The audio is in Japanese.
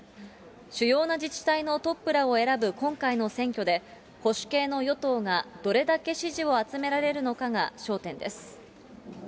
主要な自治体のトップらを選ぶ今回の選挙で、保守系の与党がどれだけ支持を集められるのかが焦点です。